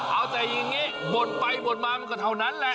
เอาแต่อย่างนี้บ่นไปบ่นมามันก็เท่านั้นแหละ